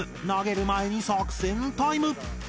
投げる前に作戦タイム！